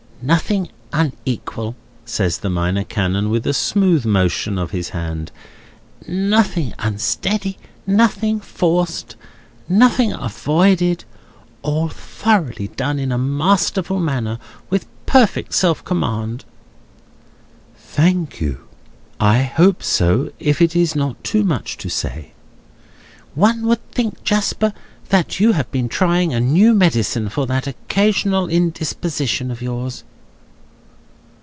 "Nothing unequal," says the Minor Canon, with a smooth motion of his hand: "nothing unsteady, nothing forced, nothing avoided; all thoroughly done in a masterly manner, with perfect self command." "Thank you. I hope so, if it is not too much to say." "One would think, Jasper, you had been trying a new medicine for that occasional indisposition of yours."